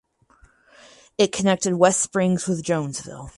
It connected West Springs with Jonesville.